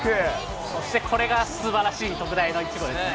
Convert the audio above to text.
そしてこれがすばらしい特大の１号ですね。